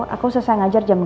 aku selesai ngajar jam dua